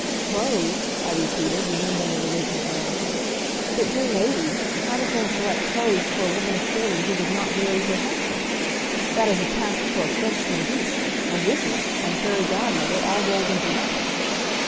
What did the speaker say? "Clothes?" I repeated, remembering the original errand. "But dear lady! How, does one select clothes for a woman of forty who would not weary her husband? That is a task for a French modiste, a wizard, and a fairy godmother all rolled into one."